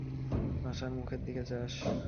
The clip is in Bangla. আশার মুখের দিকে চাস।